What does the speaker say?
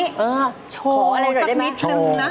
โชว์อะไรหน่อยได้ไหมโชว์โชว์อะไรหน่อยได้ไหมโชว์